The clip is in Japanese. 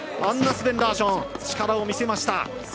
アンナ・スベンラーション力を見せました。